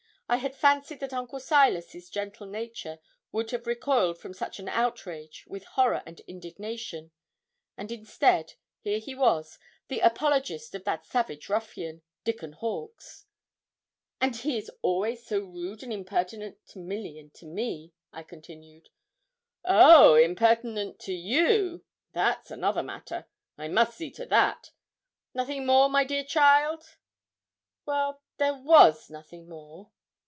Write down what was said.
I had fancied that Uncle Silas's gentle nature would have recoiled from such an outrage with horror and indignation; and instead, here he was, the apologist of that savage ruffian, Dickon Hawkes. 'And he is always so rude and impertinent to Milly and to me,' I continued. 'Oh! impertinent to you that's another matter. I must see to that. Nothing more, my dear child?' 'Well, there was nothing more.'